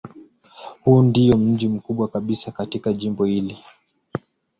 Huu ndiyo mji mkubwa kabisa katika jimbo hili.